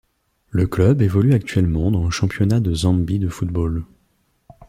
Le club évolue actuellement dans le championnat de Zambie de football.